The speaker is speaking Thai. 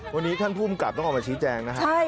วันนี้ท่านภูมิกับต้องออกมาชี้แจงนะครับ